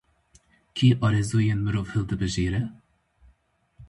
Kî arezûyên mirov hildibijêre?